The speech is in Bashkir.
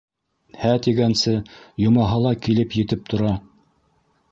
Һә тигәнсе йомаһы ла килеп етеп тора.